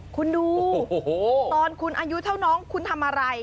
คุณดูตอนคุณอายุเท่าน้องคุณทำอะไร